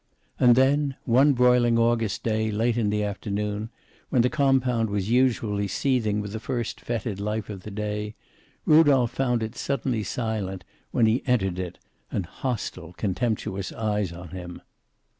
And then, one broiling August day, late in the afternoon, when the compound was usually seething with the first fetid life of the day, Rudolph found it suddenly silent when he entered it, and hostile, contemptuous eyes on him.